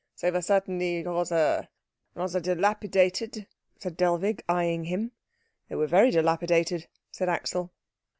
"They were certainly rather rather dilapidated," said Dellwig, eyeing him. "They were very dilapidated," said Axel.